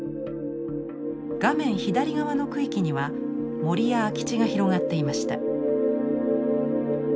画面左側の区域には森や空き地が広がっていました。